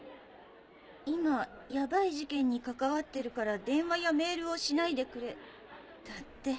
「今ヤバい事件に関わってるから電話やメールをしないでくれ」だって。